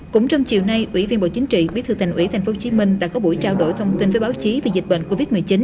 cũng trong chiều nay ủy viên bộ chính trị bí thư thành ủy tp hcm đã có buổi trao đổi thông tin với báo chí về dịch bệnh covid một mươi chín